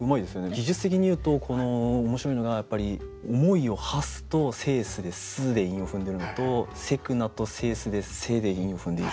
技術的に言うと面白いのがやっぱり「思いを馳す」と「制す」で「す」で韻を踏んでるのと「急くな」と「制す」で「せ」で韻を踏んでいる。